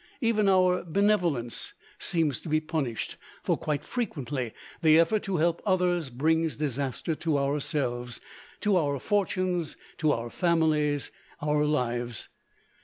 Even our benevolence seems to be punished; for quite frequently the effort to help others brings disaster to ourselves to our fortunes, to our families, our lives.